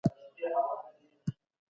په بازار کي باید د بیو توازن وساتل سي.